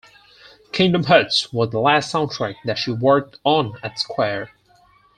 "Kingdom Hearts" was the last soundtrack that she worked on at Square.